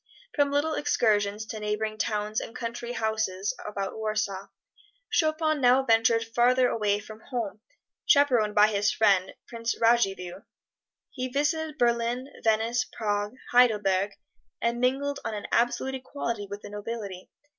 From little excursions to neighboring towns and country houses about Warsaw, Chopin now ventured farther away from home, chaperoned by his friend, Prince Radziwill. He visited Berlin, Venice, Prague, Heidelberg, and mingled on an absolute equality with the nobility.